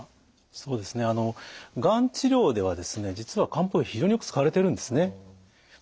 そうですねあのがん治療では実は漢方薬非常によく使われているんですね。